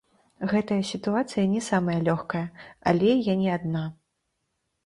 Гэтая сітуацыя не самая лёгкая, але я не адна.